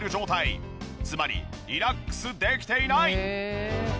つまりリラックスできていない！